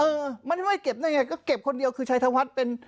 เออไม่ได้เก็บได้ไงก็เก็บคนเดียวคือชัยธวัฒน์เป็น